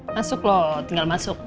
masuk loh tinggal masuk